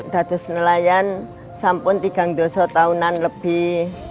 datus nelayan sampun tiga dosa tahunan lebih